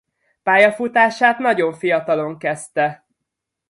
Pályafutását nagyon fiatalon kezdte.